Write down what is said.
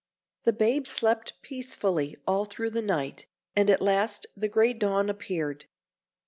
The babe slept peacefully all through the night, and at last the grey dawn appeared.